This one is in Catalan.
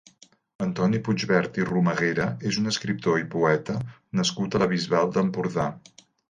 Antoni Puigvert i Romaguera és un escriptor i poeta nascut a la Bisbal d'Empordà.